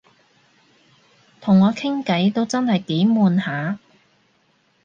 同我傾偈都真係幾悶下